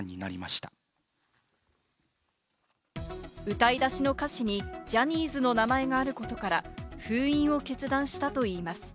歌い出しの歌詞にジャニーズの名前があることから、封印を決断したといいます。